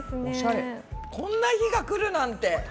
こんな日が来るなんて。